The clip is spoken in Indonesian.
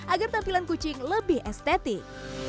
agar tampilan kucing lebih estetik